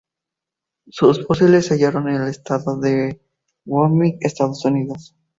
Sus fósiles se hallaron en el estado de Wyoming, Estados Unidos.